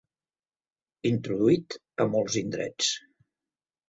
Introduït a molts indrets.